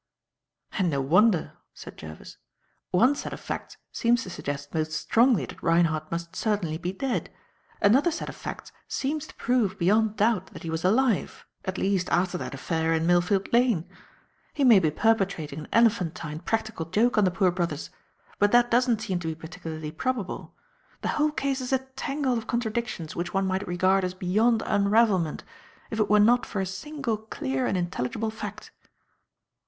"And no wonder," said Jervis. "One set of facts seems to suggest most strongly that Reinhardt must certainly be dead. Another set of facts seems to prove beyond doubt that he was alive, at least after that affair in Millfield Lane. He may be perpetrating an elephantine practical joke on the Poor Brothers; but that doesn't seem to be particularly probable. The whole case is a tangle of contradictions which one might regard as beyond unravelment if it were not for a single clear and intelligible fact."